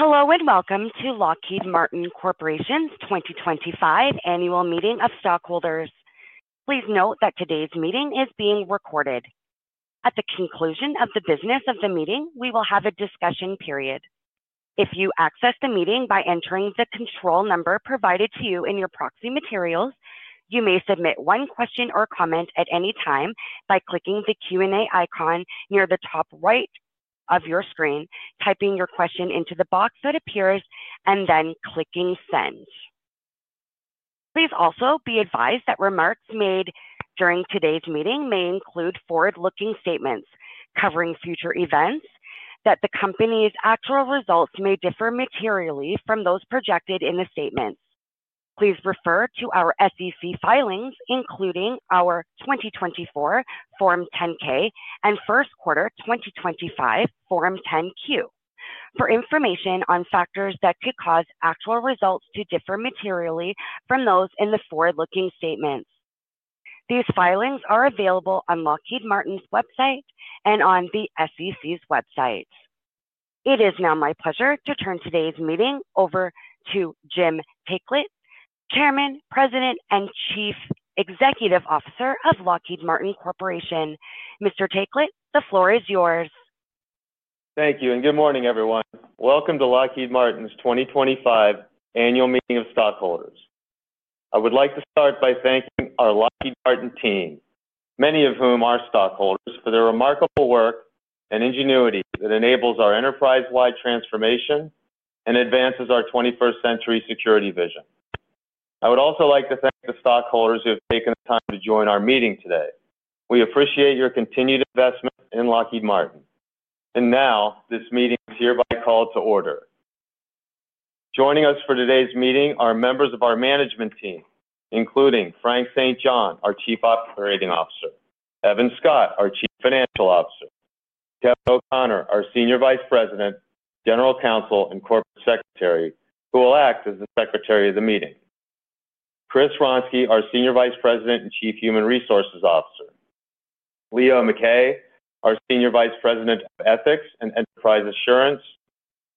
Hello and welcome to Lockheed Martin Corporation 2025 Annual Meeting of Stockholders. Please note that today's meeting is being recorded. At the conclusion of the business of the meeting, we will have a discussion period. If you access the meeting by entering the control number provided to you in your proxy materials, you may submit one question or comment at any time by clicking the Q&A icon near the top right of your screen, typing your question into the box that appears, and then clicking Send. Please also be advised that remarks made during today's meeting may include forward-looking statements covering future events, that the company's actual results may differ materially from those projected in the statements. Please refer to our SEC filings, including our 2024 Form 10-K and first quarter 2025 Form 10-Q, for information on factors that could cause actual results to differ materially from those in the forward-looking statements. These filings are available on Lockheed Martin's website and on the SEC's website. It is now my pleasure to turn today's meeting over to Jim Taiclet, Chairman, President, and Chief Executive Officer of Lockheed Martin Corporation. Mr. Taiclet, the floor is yours. Thank you and good morning, everyone. Welcome to Lockheed Martin's 2025 Annual Meeting of Stockholders. I would like to start by thanking our Lockheed Martin team, many of whom are stockholders, for their remarkable work and ingenuity that enables our enterprise-wide transformation and advances our 21st-century security vision. I would also like to thank the stockholders who have taken the time to join our meeting today. We appreciate your continued investment in Lockheed Martin. This meeting is hereby called to order. Joining us for today's meeting are members of our management team, including Frank St. John, our Chief Operating Officer; Evan Scott, our Chief Financial Officer; Kevin O'Connor, our Senior Vice President, General Counsel, and Corporate Secretary, who will act as the Secretary of the Meeting; Chris Wronsky, our Senior Vice President and Chief Human Resources Officer; Leo Mackay, our Senior Vice President of Ethics and Enterprise Assurance;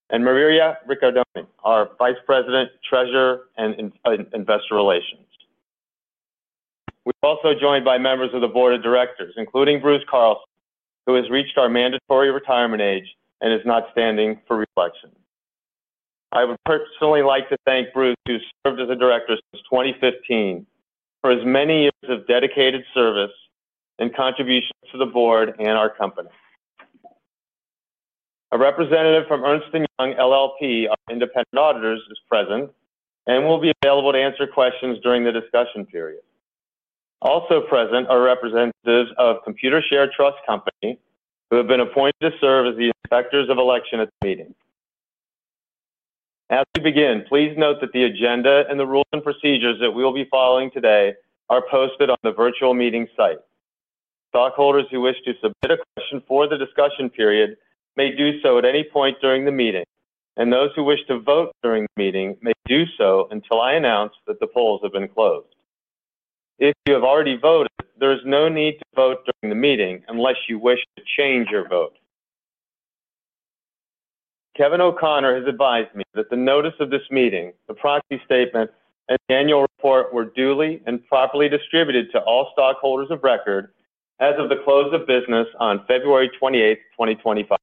and Maria Ricciardone, our Vice President, Treasurer, and investor Relations. We're also joined by members of the Board of Directors, including Bruce Carlson, who has reached our mandatory retirement age and is not standing for reelection. I would personally like to thank Bruce, who served as a director since 2015, for his many years of dedicated service and contributions to the board and our company. A representative from Ernst & Young LLP, our independent auditors, is present and will be available to answer questions during the discussion period. Also present are representatives of Computershare Trust Company, who have been appointed to serve as the inspectors of election at the meeting. As we begin, please note that the agenda and the rules and procedures that we will be following today are posted on the virtual meeting site. Stockholders who wish to submit a question for the discussion period may do so at any point during the meeting, and those who wish to vote during the meeting may do so until I announce that the polls have been closed. If you have already voted, there is no need to vote during the meeting unless you wish to change your vote. Kevin O'Connor has advised me that the notice of this meeting, the proxy statement, and the annual report were duly and properly distributed to all stockholders of record as of the close of business on February 28, 2025.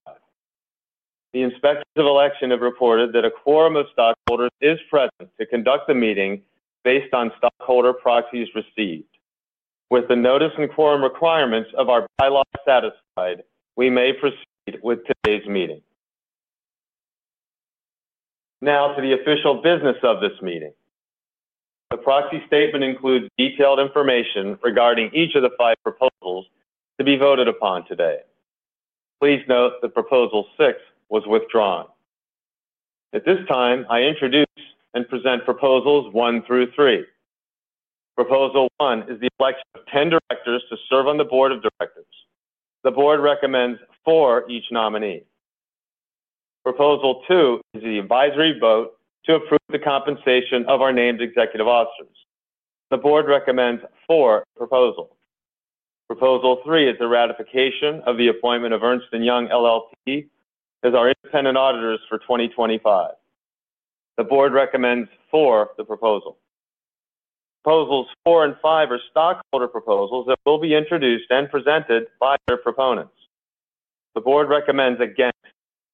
The inspectors of election have reported that a quorum of stockholders is present to conduct the meeting based on stockholder proxies received. With the notice and quorum requirements of our bylaws satisfied, we may proceed with today's meeting. Now to the official business of this meeting. The proxy statement includes detailed information regarding each of the five proposals to be voted upon today. Please note that proposal six was withdrawn. At this time, I introduce and present proposals one through three. Proposal one is the election of 10 directors to serve on the board of directors. The board recommends for each nominee. Proposal two is the advisory vote to approve the compensation of our named executive officers. The board recommends for proposals. Proposal three is the ratification of the appointment of Ernst & Young LLP as our independent auditors for 2025. The board recommends for proposals. Proposals four and five are stockholder proposals that will be introduced and presented by their proponents. The Board recommends against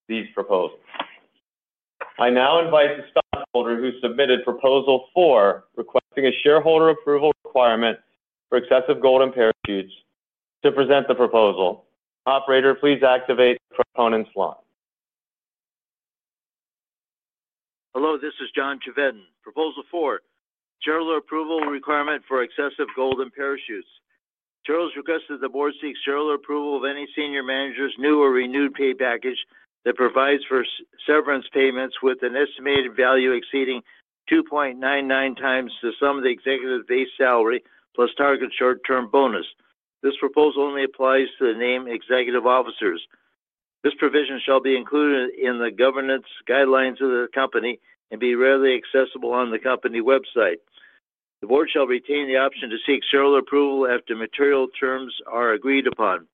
these proposals. I now invite the stockholder who submitted proposal four, requesting a stockholder approval requirement for excessive golden parachutes, to present the proposal. Operator, please activate the proponent slot. Hello, this is John Chavedden. Proposal four, general approval requirement for excessive golden parachutes. This requests that the board seeks general approval of any senior manager's new or renewed pay package that provides for severance payments with an estimated value exceeding 2.99 times the sum of the executive base salary plus target short-term bonus. This proposal only applies to the named executive officers. This provision shall be included in the governance guidelines of the company and be readily accessible on the company website. The board shall retain the option to seek serial approval after material terms are agreed upon.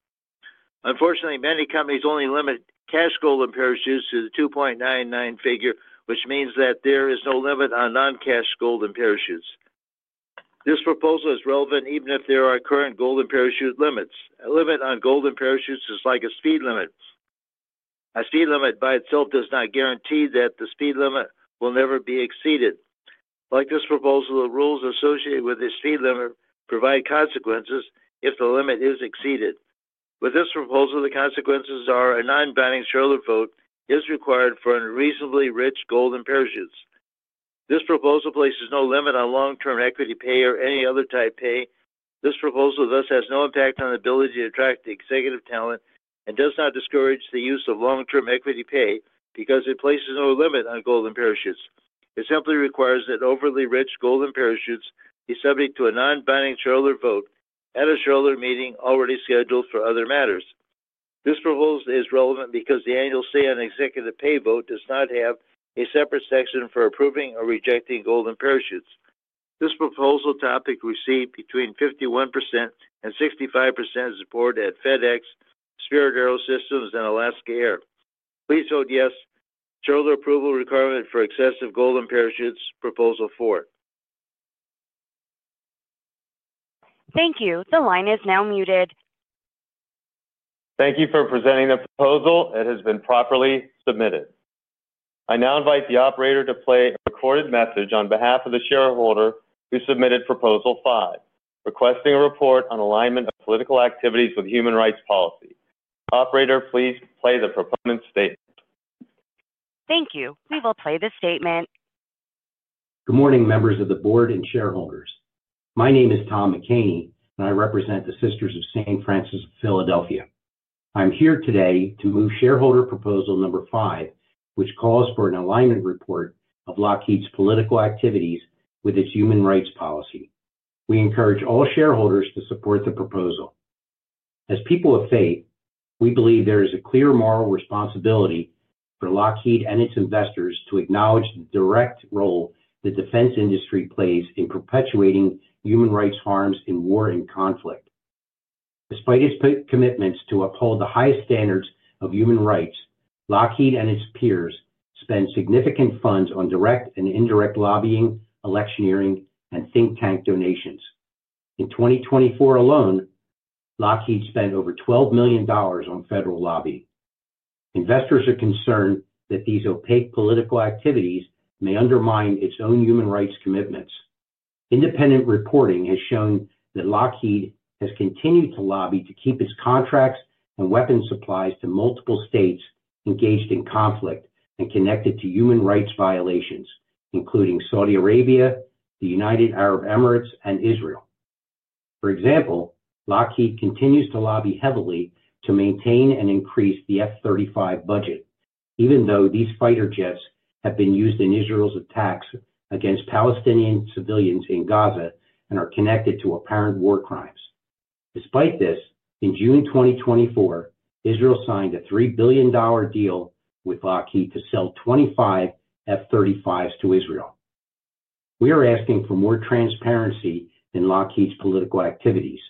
Unfortunately, many companies only limit cash golden parachutes to the 2.99 figure, which means that there is no limit on non-cash golden parachutes. This proposal is relevant even if there are current golden parachute limits. A limit on golden parachutes is like a speed limit. A speed limit by itself does not guarantee that the speed limit will never be exceeded. Like this proposal, the rules associated with the speed limit provide consequences if the limit is exceeded. With this proposal, the consequences are a non-binding shareholder vote is required for reasonably rich golden parachutes. This proposal places no limit on long-term equity pay or any other type pay. This proposal thus has no impact on the ability to attract executive talent and does not discourage the use of long-term equity pay because it places no limit on golden parachutes. It simply requires that overly rich golden parachutes be subject to a non-binding shareholder vote at a shareholder meeting already scheduled for other matters. This proposal is relevant because the annual stay on executive pay vote does not have a separate section for approving or rejecting golden parachutes. This proposal topic received between 51% and 65% support at FedEx, Spirit AeroSystems, and Alaska Air. Please vote yes to shareholder approval requirement for excessive golden parachutes, Proposal four. Thank you. The line is now muted. Thank you for presenting the proposal. It has been properly submitted. I now invite the operator to play a recorded message on behalf of the shareholder who submitted proposal five, requesting a report on alignment of political activities with human rights policy. Operator, please play the proponent statement. Thank you. We will play the statement. Good morning, members of the board and shareholders. My name is Tom McCaney, and I represent the Sisters of St. Francis of Philadelphia. I'm here today to move shareholder proposal number five, which calls for an alignment report of Lockheed's political activities with its human rights policy. We encourage all shareholders to support the proposal. As people of faith, we believe there is a clear moral responsibility for Lockheed and its investors to acknowledge the direct role the defense industry plays in perpetuating human rights harms in war and conflict. Despite its commitments to uphold the highest standards of human rights, Lockheed and its peers spend significant funds on direct and indirect lobbying, electioneering, and think tank donations. In 2024 alone, Lockheed spent over $12 million on federal lobbying. Investors are concerned that these opaque political activities may undermine its own human rights commitments. Independent reporting has shown that Lockheed has continued to lobby to keep its contracts and weapons supplies to multiple states engaged in conflict and connected to human rights violations, including Saudi Arabia, the United Arab Emirates, and Israel. For example, Lockheed continues to lobby heavily to maintain and increase the F-35 budget, even though these fighter jets have been used in Israel's attacks against Palestinian civilians in Gaza and are connected to apparent war crimes. Despite this, in June 2024, Israel signed a $3 billion deal with Lockheed to sell 25 F-35s to Israel. We are asking for more transparency in Lockheed's political activities.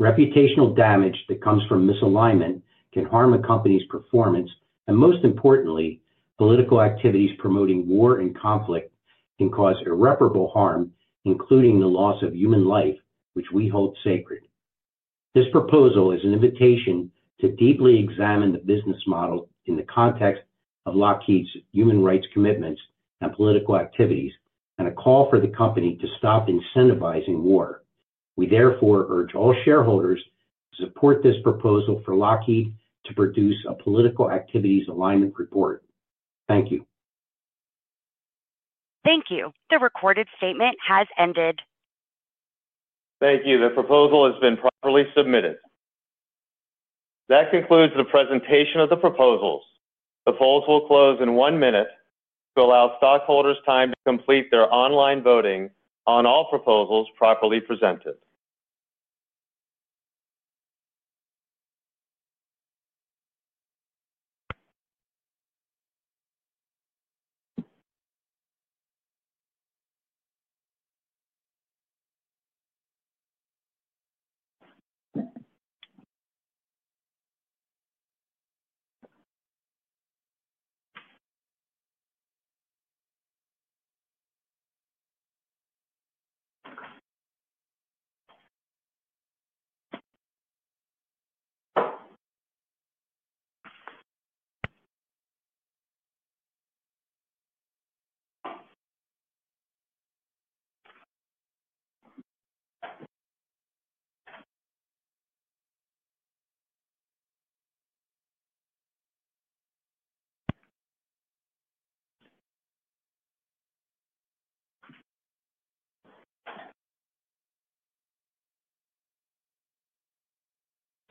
Reputational damage that comes from misalignment can harm a company's performance, and most importantly, political activities promoting war and conflict can cause irreparable harm, including the loss of human life, which we hold sacred. This proposal is an invitation to deeply examine the business model in the context of Lockheed's human rights commitments and political activities, and a call for the company to stop incentivizing war. We therefore urge all shareholders to support this proposal for Lockheed to produce a political activities alignment report. Thank you. Thank you. The recorded statement has ended. Thank you. The proposal has been properly submitted. That concludes the presentation of the proposals. The polls will close in one minute to allow stockholders time to complete their online voting on all proposals properly presented.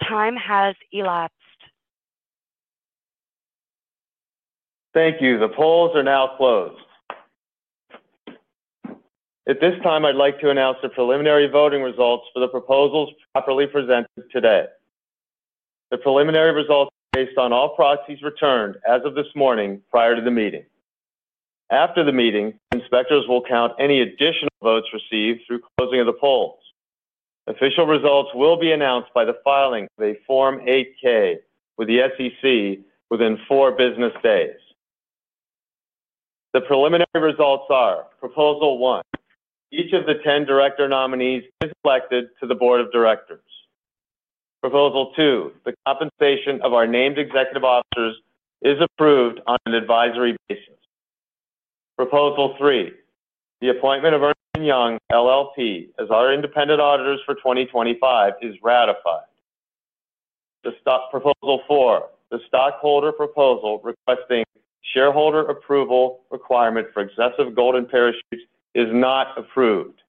Time has elapsed. Thank you. The polls are now closed. At this time, I'd like to announce the preliminary voting results for the proposals properly presented today. The preliminary results are based on all proxies returned as of this morning prior to the meeting. After the meeting, inspectors will count any additional votes received through closing of the polls. Official results will be announced by the filing of a Form 8-K with the SEC within four business days. The preliminary results are: Proposal one, each of the 10 director nominees is elected to the Board of Directors. Proposal two, the compensation of our named executive officers is approved on an advisory basis. Proposal three, the appointment of Ernst & Young LLP as our independent auditors for 2025 is ratified. Proposal four, the stockholder proposal requesting shareholder approval requirement for excessive golden parachutes is not approved.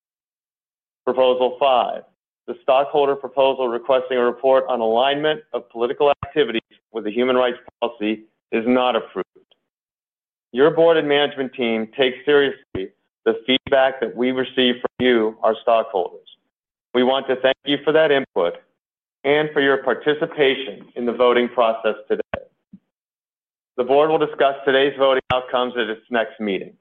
Proposal five, the stockholder proposal requesting a report on alignment of political activities with the human rights policy is not approved. Your board and management team take seriously the feedback that we receive from you, our stockholders. We want to thank you for that input and for your participation in the voting process today. The board will discuss today's voting outcomes at its next meeting.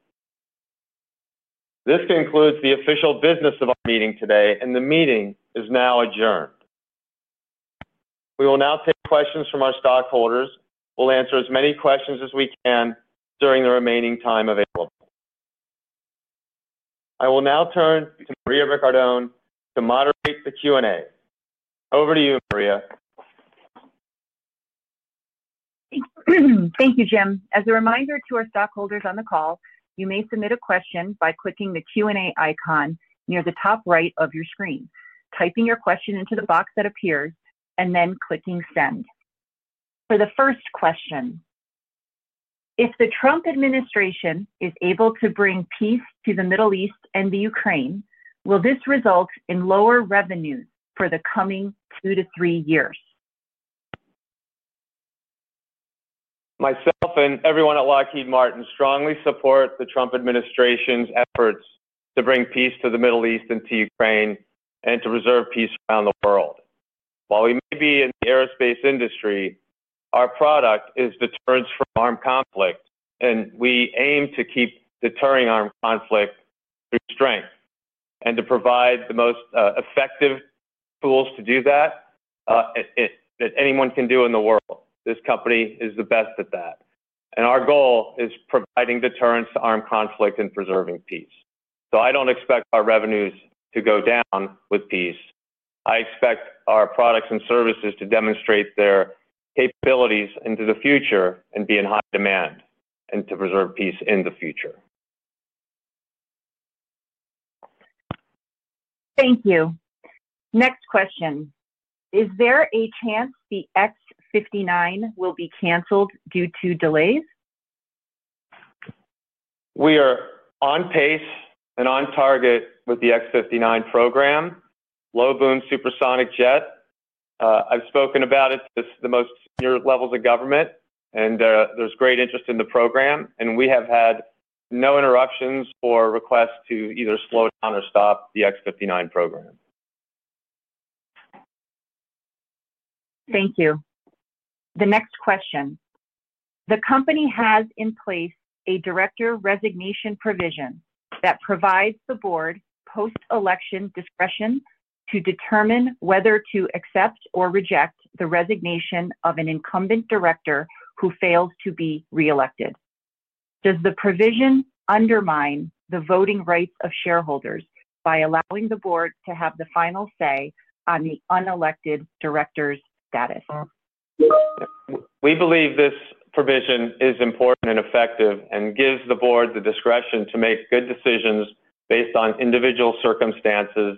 This concludes the official business of our meeting today, and the meeting is now adjourned. We will now take questions from our stockholders. We'll answer as many questions as we can during the remaining time available. I will now turn to Maria Ricciardone to moderate the Q&A. Over to you, Maria. Thank you, Jim. As a reminder to our stockholders on the call, you may submit a question by clicking the Q&A icon near the top right of your screen, typing your question into the box that appears, and then clicking Send. For the first question, if the Trump administration is able to bring peace to the Middle East and the Ukraine, will this result in lower revenues for the coming two to three years? Myself and everyone at Lockheed Martin strongly support the Trump administration's efforts to bring peace to the Middle East and to Ukraine and to preserve peace around the world. While we may be in the aerospace industry, our product is deterrence from armed conflict, and we aim to keep deterring armed conflict through strength and to provide the most effective tools to do that that anyone can do in the world. This company is the best at that. Our goal is providing deterrence to armed conflict and preserving peace. I don't expect our revenues to go down with peace. I expect our products and services to demonstrate their capabilities into the future and be in high demand and to preserve peace in the future. Thank you. Next question. Is there a chance the x-59 will be canceled due to delays? We are on pace and on target with the x-59 program, low-boom supersonic jet. I've spoken about it to the most senior levels of government, and there is great interest in the program. We have had no interruptions or requests to either slow down or stop the x-59 program. Thank you. The next question. The company has in place a director resignation provision that provides the board post-election discretion to determine whether to accept or reject the resignation of an incumbent director who fails to be reelected. Does the provision undermine the voting rights of shareholders by allowing the board to have the final say on the unelected director's status? We believe this provision is important and effective and gives the board the discretion to make good decisions based on individual circumstances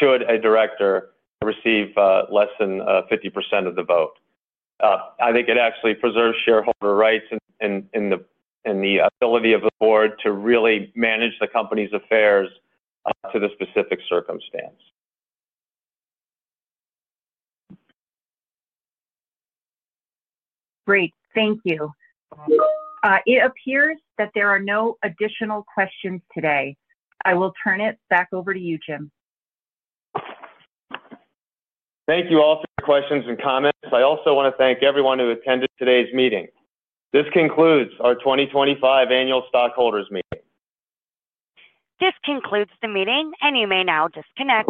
should a director receive less than 50% of the vote. I think it actually preserves shareholder rights and the ability of the board to really manage the company's affairs to the specific circumstance. Great. Thank you. It appears that there are no additional questions today. I will turn it back over to you, Jim. Thank you all for your questions and comments. I also want to thank everyone who attended today's meeting. This concludes our 2025 annual stockholders meeting. This concludes the meeting, and you may now disconnect.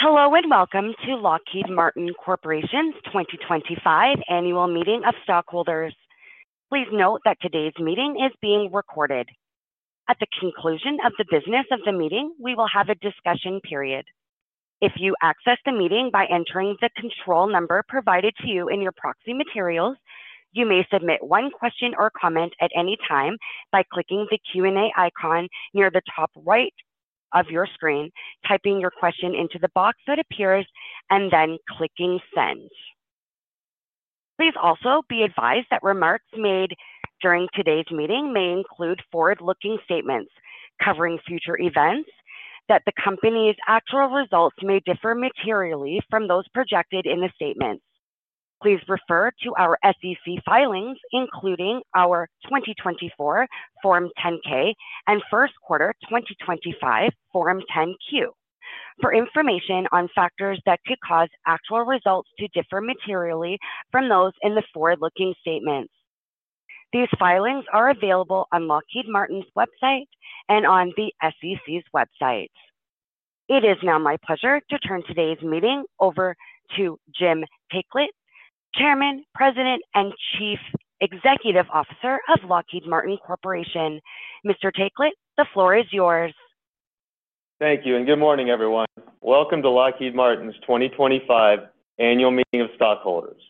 Hello and welcome to Lockheed Martin Corporation's 2025 Annual Meeting of Stockholders. Please note that today's meeting is being recorded. At the conclusion of the business of the meeting, we will have a discussion period. If you access the meeting by entering the control number provided to you in your proxy materials, you may submit one question or comment at any time by clicking the Q&A icon near the top right of your screen, typing your question into the box that appears, and then clicking Send. Please also be advised that remarks made during today's meeting may include forward-looking statements covering future events, that the company's actual results may differ materially from those projected in the statements. Please refer to our SEC filings, including our 2024 Form 10-K and first quarter 2025 Form 10-Q, for information on factors that could cause actual results to differ materially from those in the forward-looking statements. These filings are available on Lockheed Martin's website and on the SEC's website. It is now my pleasure to turn today's meeting over to Jim Taiclet, Chairman, President, and Chief Executive Officer of Lockheed Martin Corporation. Mr. Taiclet, the floor is yours. Thank you. Good morning, everyone. Welcome to Lockheed Martin's 2025 Annual Meeting of Stockholders.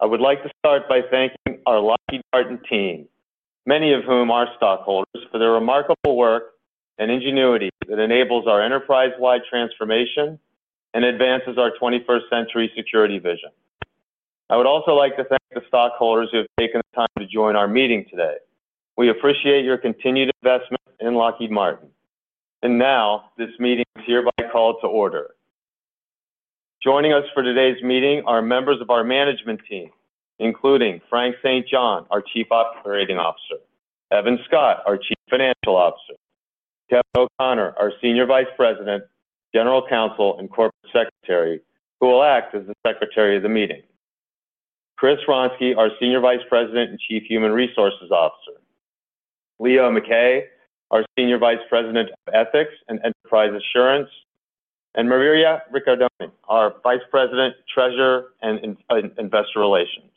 I would like to start by thanking our Lockheed Martin team, many of whom are stockholders, for their remarkable work and ingenuity that enables our enterprise-wide transformation and advances our 21st-century security vision. I would also like to thank the stockholders who have taken the time to join our meeting today. We appreciate your continued investment in Lockheed Martin. This meeting is hereby called to order. Joining us for today's meeting are members of our management team, including Frank St. John. John, our Chief Operating Officer; Evan Scott, our Chief Financial Officer; Kevin O'Connor, our Senior Vice President, General Counsel, and Corporate Secretary, who will act as the Secretary of the Meeting; Chris Wronsky, our Senior Vice President and Chief Human Resources Officer; Leo Mackay, our Senior Vice President of Ethics and Enterprise Assurance; and Maria Ricciardone, our Vice President, Treasurer, and investor relations.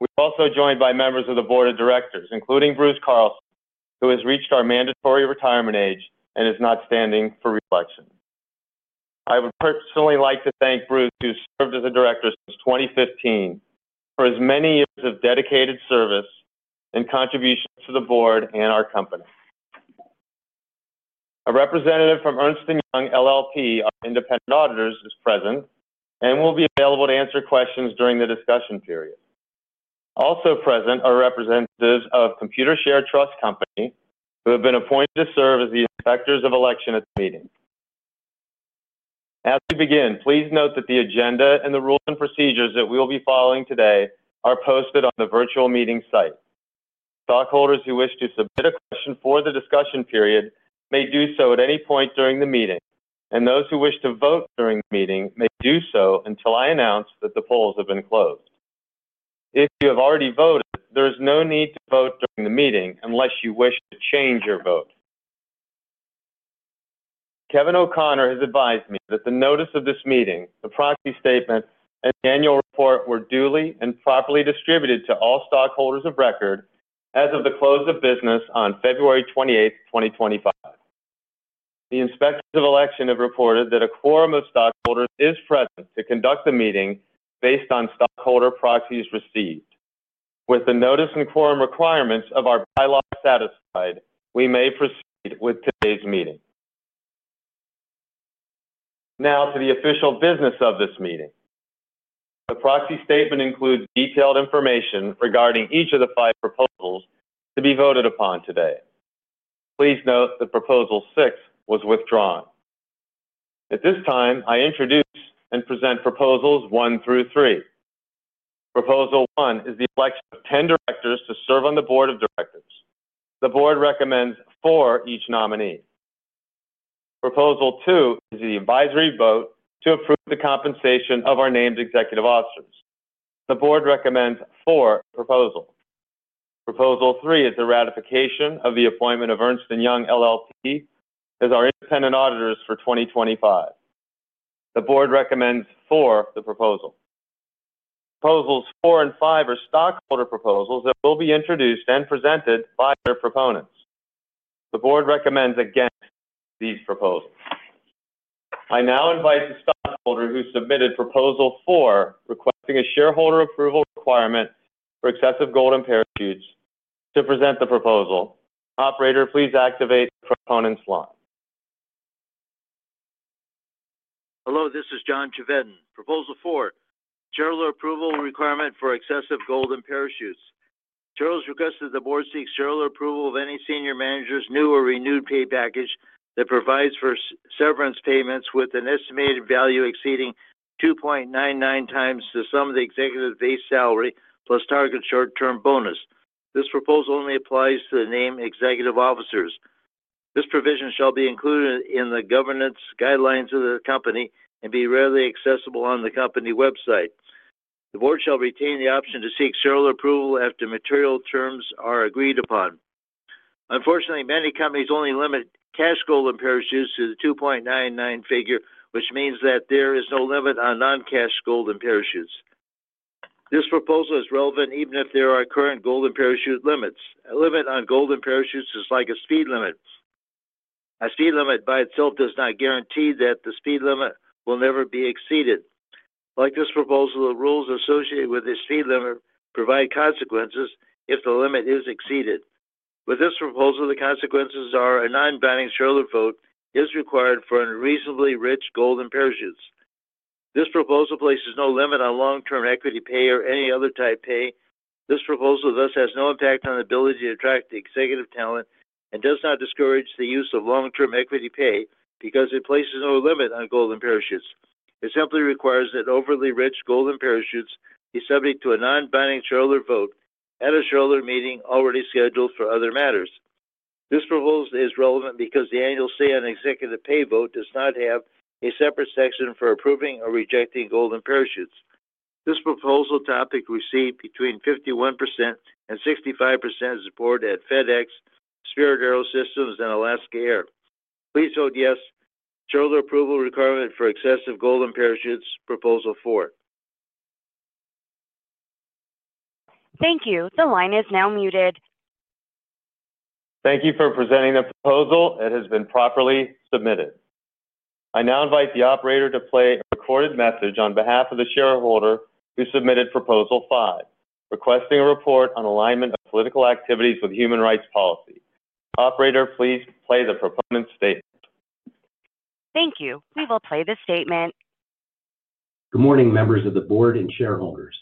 We're also joined by members of the Board of Directors, including Bruce Carlson, who has reached our mandatory retirement age and is not standing for reelection. I would personally like to thank Bruce, who served as a director since 2015, for his many years of dedicated service and contribution to the board and our company. A representative from Ernst & Young LLP, our independent auditors, is present and will be available to answer questions during the discussion period. Also present are representatives of Computershare Trust Company, who have been appointed to serve as the inspectors of election at the meeting. As we begin, please note that the agenda and the rules and procedures that we will be following today are posted on the virtual meeting site. Stockholders who wish to submit a question for the discussion period may do so at any point during the meeting, and those who wish to vote during the meeting may do so until I announce that the polls have been closed. If you have already voted, there is no need to vote during the meeting unless you wish to change your vote. Kevin O'Connor has advised me that the notice of this meeting, the proxy statement, and the annual report were duly and properly distributed to all stockholders of record as of the close of business on February 28, 2025. The inspectors of election have reported that a quorum of stockholders is present to conduct the meeting based on stockholder proxies received. With the notice and quorum requirements of our bylaws satisfied, we may proceed with today's meeting. Now to the official business of this meeting. The proxy statement includes detailed information regarding each of the five proposals to be voted upon today. Please note that proposal six was withdrawn. At this time, I introduce and present proposals one through three. Proposal 1 is the election of 10 directors to serve on the Board of Directors. The board recommends for each nominee. Proposal two is the advisory vote to approve the compensation of our named executive officers. The board recommends for proposal two. Proposal three is the ratification of the appointment of Ernst & Young LLP as our independent auditors for 2025. The board recommends for proposal three. Proposals four and five are stockholder proposals that will be introduced and presented by their proponents. The board recommends against these proposals. I now invite the stockholder who submitted proposal four, requesting a shareholder approval requirement for excessive golden parachutes, to present the proposal. Operator, please activate the proponent's line. Hello, this is John Chavedden. Proposal four, shareholder approval requirement for excessive golden parachutes. Charles requests that the board seeks shareholder approval of any senior manager's new or renewed pay package that provides for severance payments with an estimated value exceeding 2.99 times the sum of the executive base salary plus target short-term bonus. This proposal only applies to the named executive officers. This provision shall be included in the governance guidelines of the company and be readily accessible on the company website. The board shall retain the option to seek shareholder approval after material terms are agreed upon. Unfortunately, many companies only limit cash golden parachutes to the 2.99 figure, which means that there is no limit on non-cash golden parachutes. This proposal is relevant even if there are current golden parachute limits. A limit on golden parachutes is like a speed limit. A speed limit by itself does not guarantee that the speed limit will never be exceeded. Like this proposal, the rules associated with the speed limit provide consequences if the limit is exceeded. With this proposal, the consequences are a non-binding shareholder vote is required for reasonably rich golden parachutes. This proposal places no limit on long-term equity pay or any other type pay. This proposal thus has no impact on the ability to attract executive talent and does not discourage the use of long-term equity pay because it places no limit on golden parachutes. It simply requires that overly rich golden parachutes be subject to a non-binding shareholder vote at a shareholder meeting already scheduled for other matters. This proposal is relevant because the annual say on executive pay vote does not have a separate section for approving or rejecting golden parachutes. This proposal topic received between 51% and 65% support at FedEx, Spirit AeroSystems, and Alaska Air. Please vote yes to shareholder approval requirement for excessive golden parachutes, Proposal four. Thank you. The line is now muted. Thank you for presenting the proposal. It has been properly submitted. I now invite the operator to play a recorded message on behalf of the shareholder who submitted proposal five, requesting a report on alignment of political activities with human rights policy. Operator, please play the proponent's statement. Thank you. We will play the statement. Good morning, members of the board and shareholders.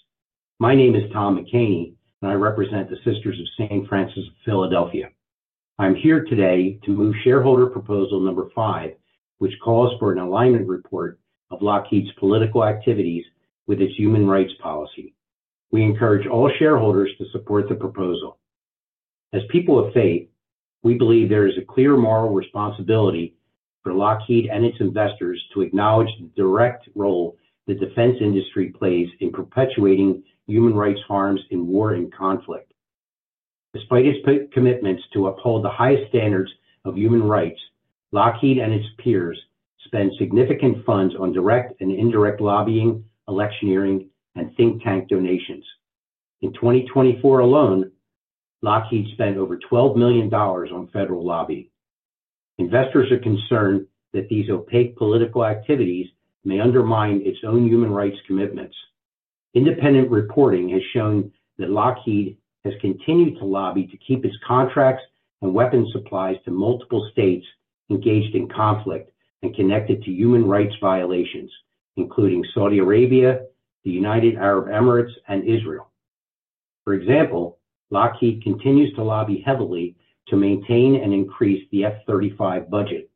My name is Tom McCaney, and I represent the Sisters of St. Francis of Philadelphia. I'm here today to move shareholder proposal number five, which calls for an alignment report of Lockheed's political activities with its human rights policy. We encourage all shareholders to support the proposal. As people of faith, we believe there is a clear moral responsibility for Lockheed and its investors to acknowledge the direct role the defense industry plays in perpetuating human rights harms in war and conflict. Despite its commitments to uphold the highest standards of human rights, Lockheed and its peers spend significant funds on direct and indirect lobbying, electioneering, and think tank donations. In 2024 alone, Lockheed spent over $12 million on federal lobbying. Investors are concerned that these opaque political activities may undermine its own human rights commitments. Independent reporting has shown that Lockheed has continued to lobby to keep its contracts and weapons supplies to multiple states engaged in conflict and connected to human rights violations, including Saudi Arabia, the United Arab Emirates, and Israel. For example, Lockheed continues to lobby heavily to maintain and increase the F-35 budget,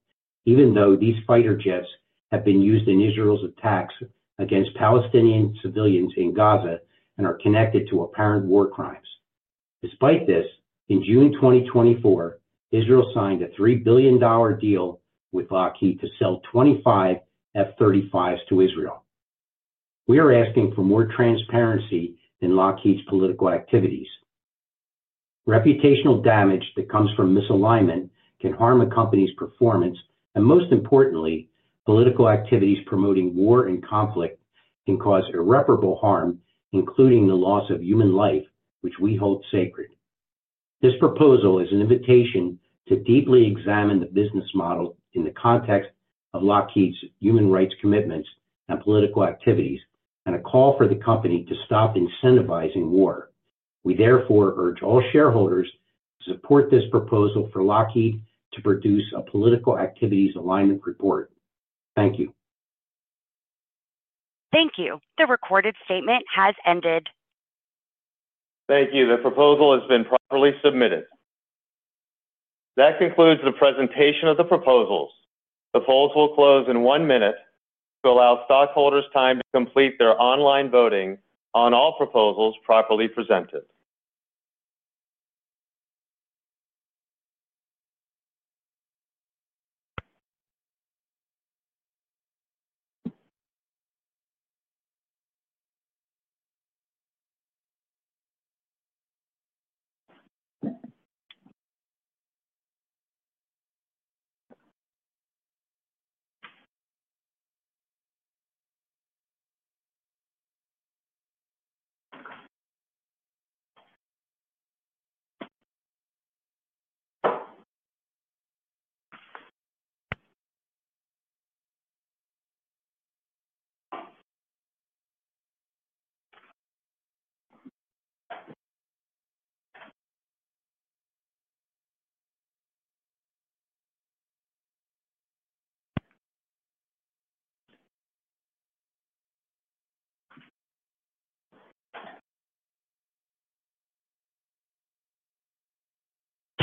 even though these fighter jets have been used in Israel's attacks against Palestinian civilians in Gaza and are connected to apparent war crimes. Despite this, in June 2024, Israel signed a $3 billion deal with Lockheed to sell 25 F-35s to Israel. We are asking for more transparency in Lockheed's political activities. Reputational damage that comes from misalignment can harm a company's performance, and most importantly, political activities promoting war and conflict can cause irreparable harm, including the loss of human life, which we hold sacred. This proposal is an invitation to deeply examine the business model in the context of Lockheed's human rights commitments and political activities, and a call for the company to stop incentivizing war. We therefore urge all shareholders to support this proposal for Lockheed to produce a political activities alignment report. Thank you. Thank you. The recorded statement has ended. Thank you. The proposal has been properly submitted. That concludes the presentation of the proposals. The polls will close in one minute to allow stockholders time to complete their online voting on all proposals properly presented.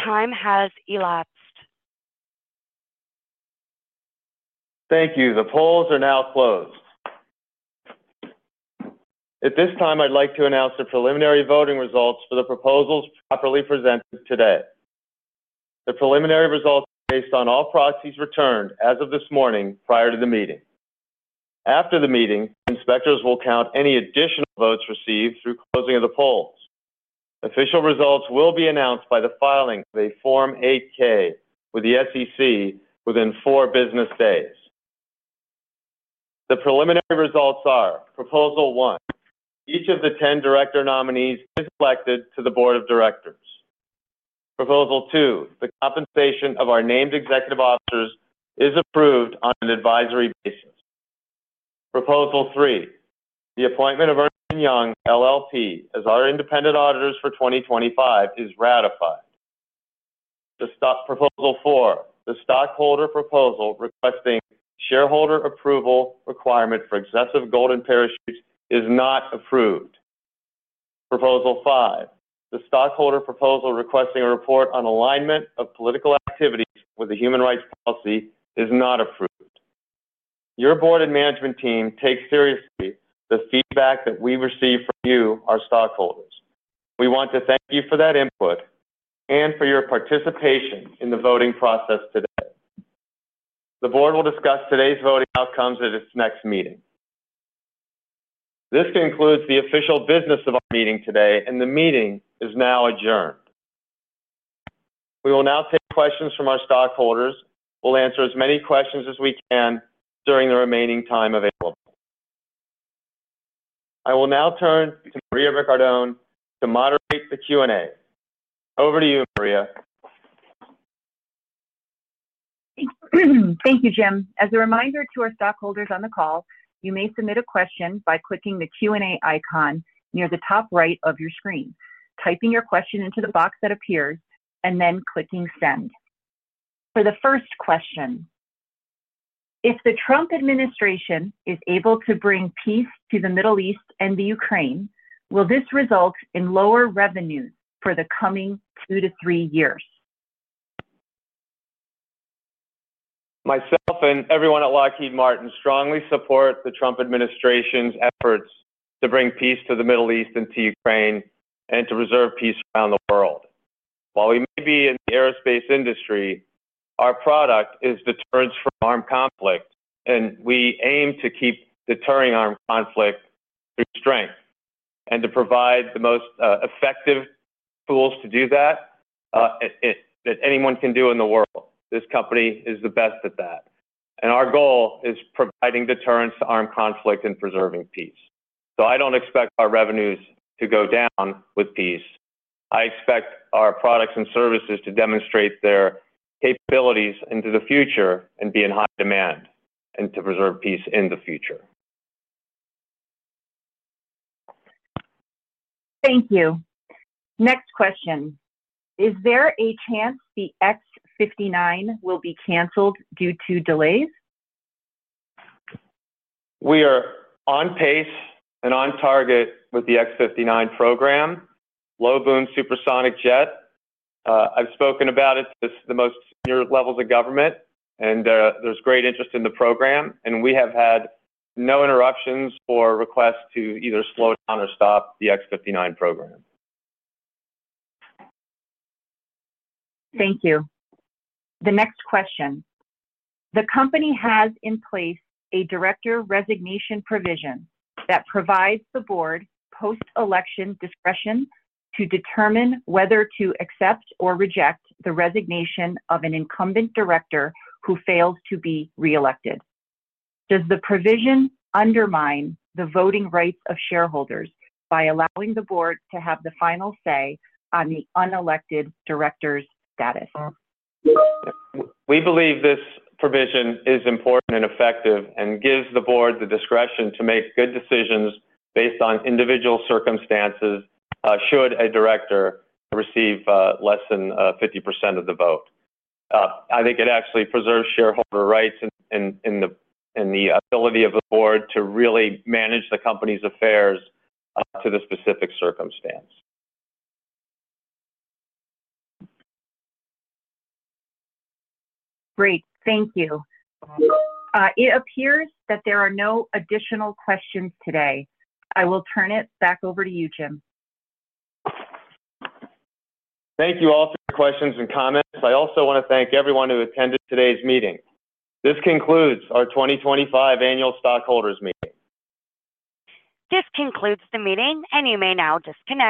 Time has elapsed. Thank you. The polls are now closed. At this time, I'd like to announce the preliminary voting results for the proposals properly presented today. The preliminary results are based on all proxies returned as of this morning prior to the meeting. After the meeting, inspectors will count any additional votes received through closing of the polls. Official results will be announced by the filing of a Form 8-K with the SEC within four business days. The preliminary results are: Proposal one, each of the 10 director nominees is elected to the Board of Directors. Proposal two, the compensation of our named executive officers is approved on an advisory basis. Proposal three, the appointment of Ernst & Young LLP as our independent auditors for 2025 is ratified. Proposal four, the stockholder proposal requesting shareholder approval requirement for excessive golden parachutes is not approved. Proposal five, the stockholder proposal requesting a report on alignment of political activities with the human rights policy is not approved. Your board and management team take seriously the feedback that we receive from you, our stockholders. We want to thank you for that input and for your participation in the voting process today. The board will discuss today's voting outcomes at its next meeting. This concludes the official business of our meeting today, and the meeting is now adjourned. We will now take questions from our stockholders. We'll answer as many questions as we can during the remaining time available. I will now turn to Maria Ricciardone to moderate the Q&A. Over to you, Maria. Thank you, Jim. As a reminder to our stockholders on the call, you may submit a question by clicking the Q&A icon near the top right of your screen, typing your question into the box that appears, and then clicking Send. For the first question, if the Trump administration is able to bring peace to the Middle East and the Ukraine, will this result in lower revenues for the coming two to three years? Myself and everyone at Lockheed Martin strongly support the Trump administration's efforts to bring peace to the Middle East and to Ukraine and to preserve peace around the world. While we may be in the aerospace industry, our product is deterrence from armed conflict, and we aim to keep deterring armed conflict through strength and to provide the most effective tools to do that that anyone can do in the world. This company is the best at that. Our goal is providing deterrence to armed conflict and preserving peace. I do not expect our revenues to go down with peace. I expect our products and services to demonstrate their capabilities into the future and be in high demand and to preserve peace in the future. Thank you. Next question, is there a chance the x-59 will be canceled due to delays? We are on pace and on target with the x-59 program, low-boom supersonic jet. I've spoken about it to the most senior levels of government, and there's great interest in the program. We have had no interruptions or requests to either slow down or stop the x-59 program. Thank you. The next question, the company has in place a director resignation provision that provides the board post-election discretion to determine whether to accept or reject the resignation of an incumbent director who fails to be re-elected. Does the provision undermine the voting rights of shareholders by allowing the board to have the final say on the unelected director's status? We believe this provision is important and effective and gives the board the discretion to make good decisions based on individual circumstances should a director receive less than 50% of the vote. I think it actually preserves shareholder rights and the ability of the board to really manage the company's affairs to the specific circumstance. Great. Thank you. It appears that there are no additional questions today. I will turn it back over to you, Jim. Thank you all for your questions and comments. I also want to thank everyone who attended today's meeting. This concludes our 2025 annual stockholders meeting. This concludes the meeting, and you may now disconnect.